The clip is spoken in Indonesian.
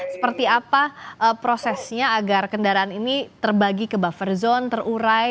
seperti apa prosesnya agar kendaraan ini terbagi ke buffer zone terurai